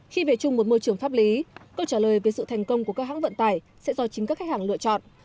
khi về chung một môi trường pháp lý câu trả lời về sự thành công của các hãng vận tải sẽ do chính các khách hàng lựa chọn